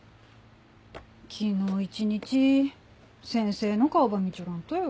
昨日一日先生の顔ば見ちょらんとよ。